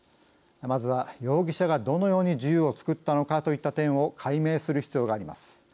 まずは容疑者がどのように銃を作ったのかといった点を解明する必要があります。